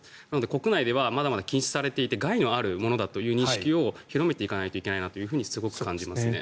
国内ではまだまだ禁止されていて害のあるものだという認識を広めていかないといけないと思います。